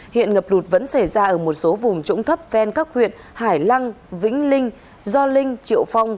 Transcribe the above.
hiện ngập lụt vẫn xảy ra ở một số vùng trũng thấp ven các huyện hải lăng vĩnh linh do linh triệu phong